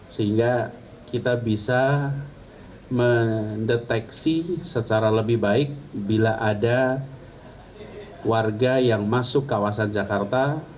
sehingga kita bisa mendeteksi secara lebih baik bila ada warga yang masuk kawasan jakarta